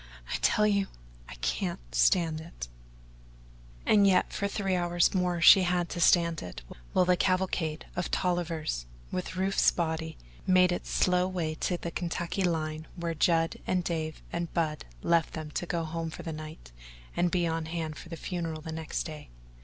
"I tell you I can't stand it." And yet for three hours more she had to stand it, while the cavalcade of Tollivers, with Rufe's body, made its slow way to the Kentucky line where Judd and Dave and Bub left them to go home for the night and be on hand for the funeral next day.